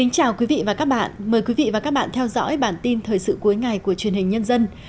chào mừng quý vị đến với bản tin thời sự cuối ngày của truyền hình nhân dân